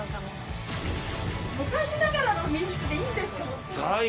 昔ながらの民宿でいいんでしょうか？